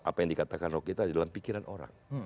apa yang dikatakan rocky tadi dalam pikiran orang